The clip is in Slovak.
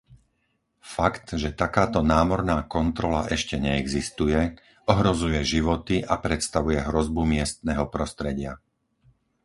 Fakt, že takáto námorná kontrola ešte neexistuje, ohrozuje životy a predstavuje hrozbu miestneho prostredia.